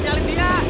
kita lebih lebih ya